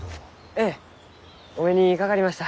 ええお目にかかりました。